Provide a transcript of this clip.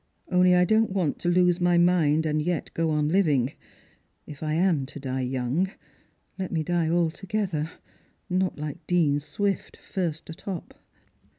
Only I don't want to lose my mind, and yet go on living. If I am to die young, let me die altogether, not like Dean Swift, first a top."